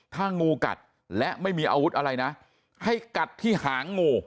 ถ้างูกัดและไม่มีอาวุธอะไรนะให้กัดที่หางงู